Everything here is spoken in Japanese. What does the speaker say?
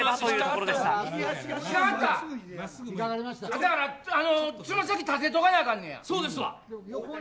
だから、爪先立てとかなあかんねや。